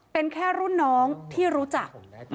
เป็นแค่รุ่นน้องที่รู้จัก